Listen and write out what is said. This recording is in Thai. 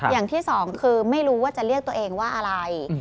อย่างที่สองคือไม่รู้ว่าจะเรียกตัวเองว่าอะไร